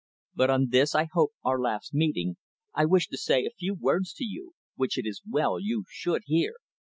But on this, I hope, our last meeting, I wish to say a few words to you, which it is well you should hear.